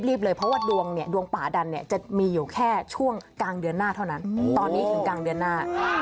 เลยเพราะว่าดวงเนี่ยดวงป่าดันเนี่ยจะมีอยู่แค่ช่วงกลางเดือนหน้าเท่านั้นตอนนี้ถึงกลางเดือนหน้า